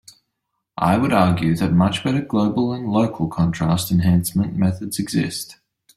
I would argue that much better global and local contrast enhancement methods exist.